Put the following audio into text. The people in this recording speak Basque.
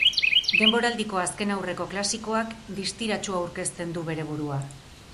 Denboraldiko azkenaurreko klasikoak distiratsu aurkezten du bere burua.